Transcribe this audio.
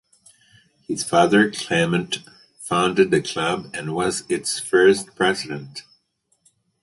His father Clement founded the club and was its first president.